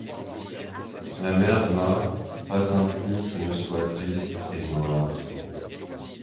La mer n'a, pas un pli qui ne soit triste et noir ;